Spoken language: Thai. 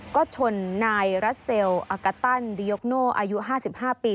ก็ชนนายรัสเซลอากาตันดิยกโน่อายุ๕๕ปี